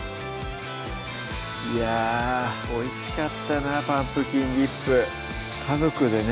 いやおいしかったな「パンプキンディップ」家族でね